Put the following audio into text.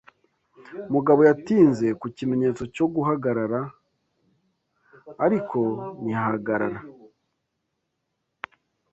Mugabo yatinze ku kimenyetso cyo guhagarara, ariko ntiyahagarara.